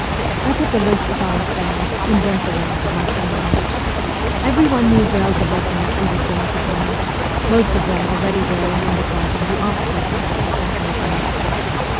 I took a list of our form, and went the round of my comrades. Everyone knew well the regiment he was going to join, most of them already wearing in the garden the officer's cap of that regiment.